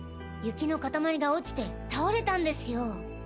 雪の塊が落ちて倒れたんですよ。